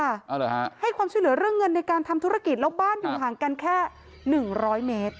เอาเหรอฮะให้ความช่วยเหลือเรื่องเงินในการทำธุรกิจแล้วบ้านอยู่ห่างกันแค่หนึ่งร้อยเมตร